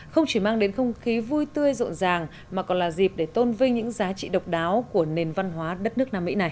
không chỉ mang đến không khí vui tươi rộn ràng mà còn là dịp để tôn vinh những giá trị độc đáo của nền văn hóa đất nước nam mỹ này